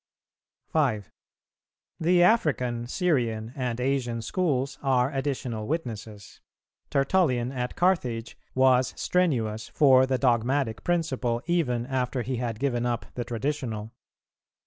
5. The African, Syrian, and Asian schools are additional witnesses; Tertullian at Carthage was strenuous for the dogmatic principle even after he had given up the traditional.